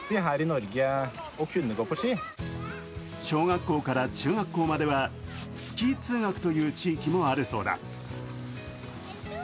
小学校から中学校まではスキー通学という地域もあるそうだ。